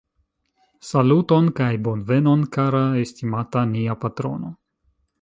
Saluton kaj bonvenon kara estimata, nia patrono